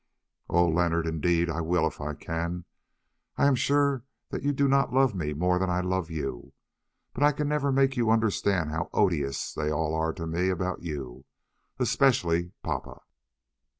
"Oh! Leonard, indeed I will if I can. I am sure that you do not love me more than I love you, but I can never make you understand how odious they all are to me about you, especially Papa."